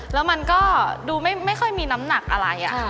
แล้วมันก็ดูไม่ค่อยมีน้ำหนักอะไร